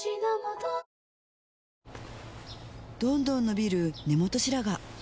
どんどん伸びる根元白髪